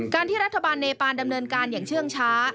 ที่รัฐบาลเนปานดำเนินการอย่างเชื่องช้า